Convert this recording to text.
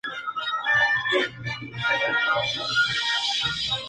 Religioso y arzobispo español.